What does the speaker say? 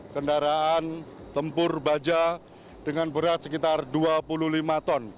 kendaraan tempur baja dengan berat sekitar dua puluh lima ton